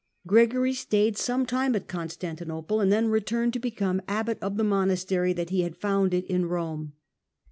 Gregory stayed some ■ time at Constantinople, and then returned to become abbot of the monastery that he had founded in Rome.